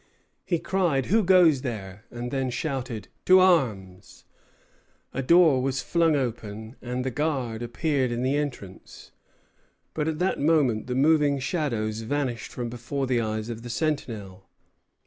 He cried, "Who goes there?" and then shouted, "To arms!" A door was flung open, and the guard appeared in the entrance. But at that moment the moving shadows vanished from before the eyes of the sentinel.